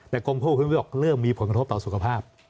แต่กรมควบคุมโรคเริ่มมีผลกระทบต่อสุขภาพ